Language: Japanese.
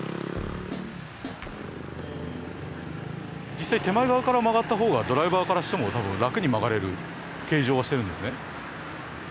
実際手前側から曲がったほうがドライバーからしても多分楽に曲がれる形状はしてるんですね。